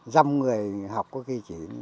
dăm người học có khi chỉ